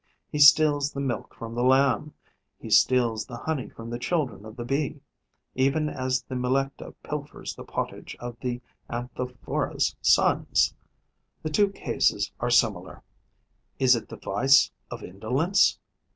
He steals the milk from the Lamb, he steals the honey from the children of the Bee, even as the Melecta pilfers the pottage of the Anthophora's sons. The two cases are similar. Is it the vice of indolence?